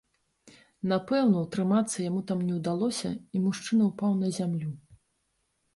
Напэўна, утрымацца яму там не ўдалося, і мужчына ўпаў на зямлю.